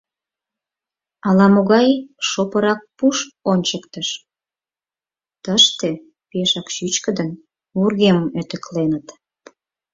Ала-могай шопырак пуш ончыктыш: тыште пешак чӱчкыдын вургемым ӧтыкленыт.